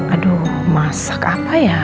aduh masak apa ya